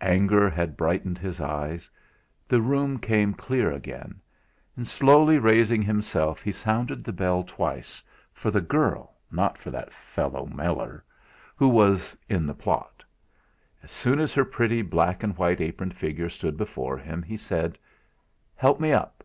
Anger had brightened his eyes; the room came clear again. And slowly raising himself he sounded the bell twice, for the girl, not for that fellow Meller, who was in the plot. As soon as her pretty black and white aproned figure stood before him, he said: "Help me up."